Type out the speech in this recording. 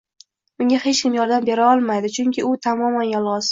Unga hech kim yordam bera olmaydi, chunki u tamoman yolgʻiz